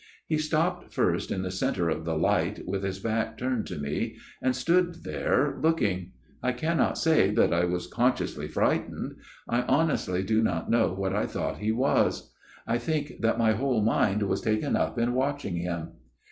He stopped first in the centre of the light, with his back turned to me, and stood there, looking. I cannot say that I was consciously frightened ; I honestly do not know what I thought he was. I think that my whole mind was taken up in watching him.